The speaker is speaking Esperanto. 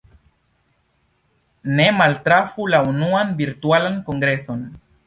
Ne maltrafu la unuan Virtualan Kongreson!